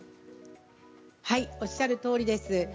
おっしゃるとおりです。